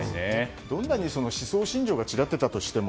どんなに思想信条が違っていたとしても